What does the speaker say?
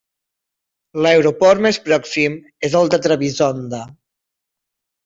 L'aeroport més pròxim és el de Trebisonda.